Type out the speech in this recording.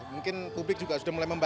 mungkin publik juga sudah mulai membahas